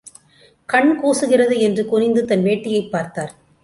கண் கூசுகிறது என்று குனிந்து தன் வேட்டியைப் பார்த்தார்.